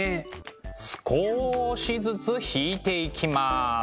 少しずつ引いていきます。